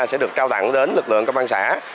sẽ được trao tặng đến lực lượng công an xã